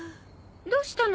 どうしたの？